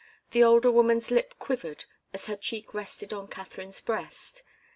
The older woman's lip quivered, as her cheek rested on Katharine's breast.